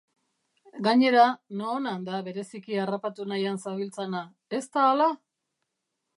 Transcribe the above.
Gainera, Noonan da bereziki harrapatu nahian zabiltzana, ez da hala?